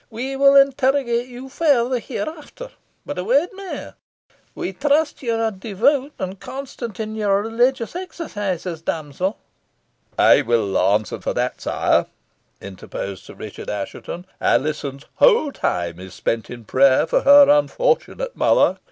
We will interrogate you further hereafter but a word mair. We trust ye are devout, and constant in your religious exercises, damsel." "I will answer for that, sire," interposed Sir Richard Assheton. "Alizon's whole time is spent in prayer for her unfortunate mother.